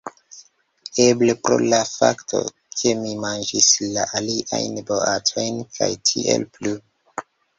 Eble pro la fakto, ke mi manĝis la aliajn boatojn kaj tiel plu.